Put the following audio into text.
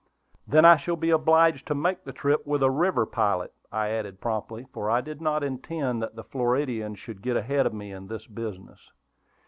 "Then I shall be obliged to make the trip with a river pilot," I added promptly, for I did not intend that the Floridian should get ahead of me in this business.